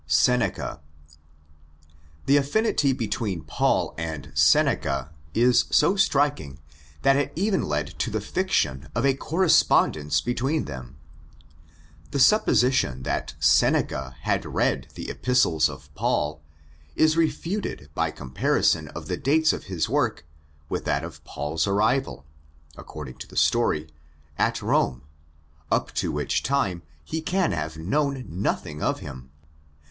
Seneca. The affinity between Paul and Seneca is so striking that it even led to the fiction of a correspondence between them. The supposition that Seneca had read the Epistles of Paul is refuted by comparison of the dates of his works with that of Paul's arrival (according to the story) at Rome, up to which time he can have known nothing of him.